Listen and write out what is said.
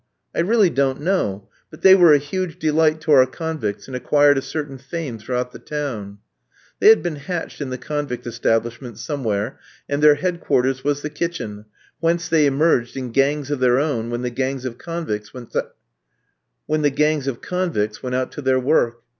I really don't know; but they were a huge delight to our convicts, and acquired a certain fame throughout the town. They had been hatched in the convict establishment somewhere, and their head quarters was the kitchen, whence they emerged in gangs of their own, when the gangs of convicts went out to their work.